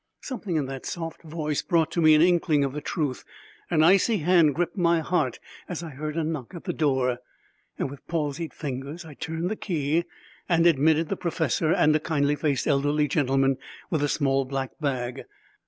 Something in that soft voice brought to me an inkling of the truth. An icy hand gripped my heart as I heard a knock at the door. With palsied fingers I turned the key and admitted the professor and a kindly faced elderly gentleman with a small black bag.